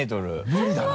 無理だな。